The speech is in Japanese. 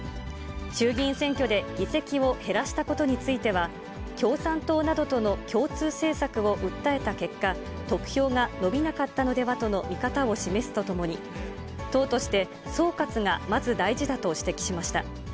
衆議院選挙で議席を減らしたことについては、共産党などとの共通政策を訴えた結果、得票が伸びなかったのではとの見方を示すとともに、党として総括がまず大事だと指摘しました。